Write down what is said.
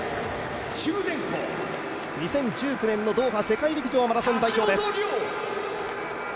２０１９年の世界陸上ドーハマラソン代表です。